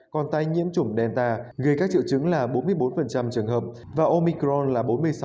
còn tai nhiễm trùng delta gây các triệu chứng là bốn mươi bốn trường hợp và omicron là bốn mươi sáu